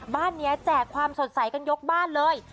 บ้านนี้แจกความสดใสกันยกบ้านเลย